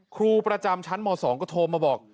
ครูประจำชั้นม๒ก็โทรมาบอก